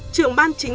trưởng ban chủng